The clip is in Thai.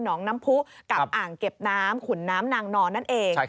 น้องน้ำผู้กับอ่างเก็บน้ำขุนน้ำนางนอนนั่นเอง